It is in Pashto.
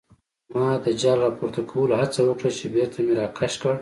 ما د جال راپورته کولو هڅه وکړه چې بېرته مې راکش کړ.